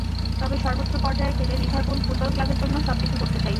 তবে সর্বোচ্চ পর্যায়ে খেলে লিভারপুল ফুটবল ক্লাবের জন্য সবকিছু করতে চাই।